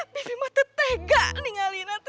bibi masih tetega dengan alina